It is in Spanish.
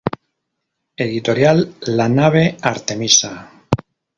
Editorial La Nave-Artemisa.